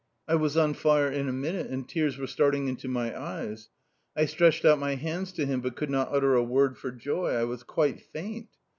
I was on fire in a minute, and tears were starting into my eyes. I stretched out my hands to him, but could not utter a word for joy ; I was quite faint.